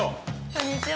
こんにちは。